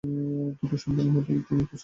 দুটো সস্তার হোটেলেও তিনি খোঁজ করলেন।